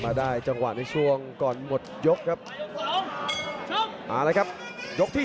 สอกซ้ายหน้าแล้วก็ขวาหลังของเพชรน้ำหนึ่งนี่